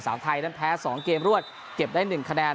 สาวไทยนั้นแพ้๒เกมรวดเก็บได้๑คะแนน